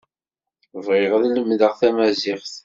Bɣiɣ ad lemdeɣ tamaziɣt.